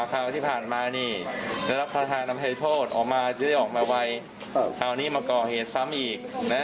คราวนี้มาก่อเหตุซ้ำอีกนะ